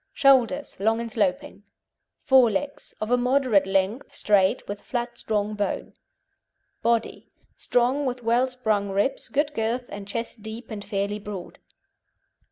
SHOULDERS Long and sloping. FORE LEGS Of a moderate length, straight, with flat strong bone. BODY Strong, with well sprung ribs, good girth, and chest deep and fairly broad.